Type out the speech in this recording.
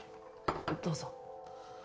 どうぞ。